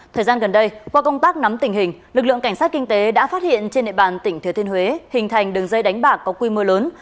thời gian gần đây qua công tác nắm tình hình lực lượng cảnh sát kinh tế đã phát hiện trên địa bàn tỉnh thừa thiên huế hình thành đường dây đánh bạc có quy mô lớn